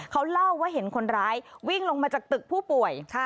เขาเล่าว่าเห็นคนร้ายวิ่งลงมาจากตึกผู้ป่วย